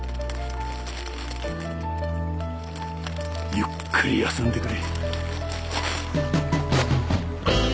ゆっくり休んでくれ。